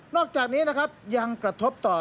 อกจากนี้นะครับยังกระทบต่อ